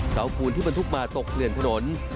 สาวกูลที่มันทุกมาตกเคลื่อนถนน